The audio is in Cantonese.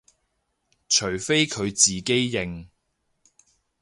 除非佢自己認